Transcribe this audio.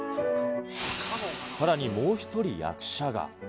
さらにもう１人役者が。